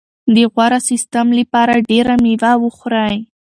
د غوره سیستم لپاره ډېره مېوه وخورئ.